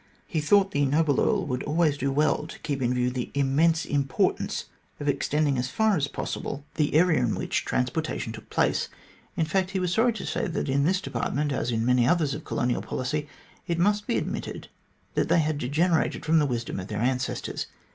He thought the noble Earl would do well to always keep in view the immense import ance of extending as far as possible the area in which 62 THE GLADSTONE COLONY transportation took place. In fact, he was sorry to say that in this department, as in many others of colonial policy, it must be admitted that they had degenerated from the wisdom of their ancestors.